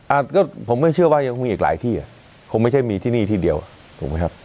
ผมก็เชื่อว่ายังคงอีกหลายที่อ่ะคงไม่ใช่มีที่นี่ที่เดียวถูกไหมครับ